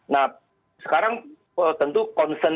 nah sekarang tentu concern